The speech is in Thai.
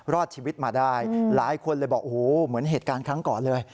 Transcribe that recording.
รอดชีวิตมาได้หลายคนเลยบอกโอ้โหเหมือนเหตุการณ์ครั้งก่อนเลย